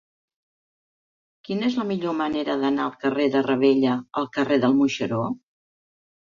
Quina és la millor manera d'anar del carrer de Ravella al carrer del Moixeró?